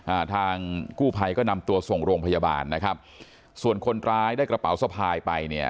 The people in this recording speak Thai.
อ่าทางกู้ภัยก็นำตัวส่งโรงพยาบาลนะครับส่วนคนร้ายได้กระเป๋าสะพายไปเนี่ย